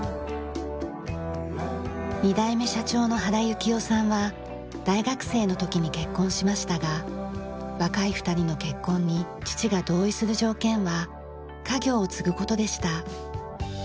２代目社長の原幸雄さんは大学生の時に結婚しましたが若い２人の結婚に父が同意する条件は家業を継ぐ事でした。